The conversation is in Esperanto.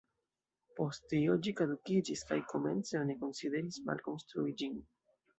Post tio ĝi kadukiĝis, kaj komence oni konsideris malkonstrui ĝin.